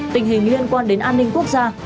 tình hình liên quan đến an ninh quốc gia